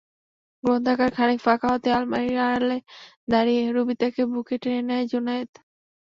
গ্রন্থাগার খানিক ফাঁকা হতেই আলমারির আড়ালে দাঁড়িয়ে রুবিতাকে বুকে টেনে নেয় জুনায়েদ।